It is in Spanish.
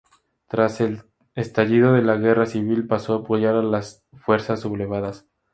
Tras el estallido de la Guerra civil pasó a apoyar a las fuerzas sublevadas.